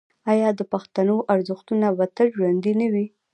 آیا د پښتنو ارزښتونه به تل ژوندي نه وي؟